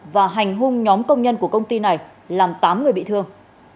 và hành hung nhóm công nhân của công ty này làm tám người bị thương